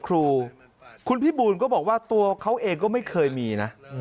ครูคุณพี่บูลก็บอกว่าตัวเขาเองก็ไม่เคยมีนะ